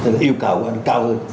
thì yêu cầu của anh cao hơn